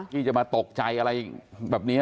ที่จะมาตกใจอะไรแบบนี้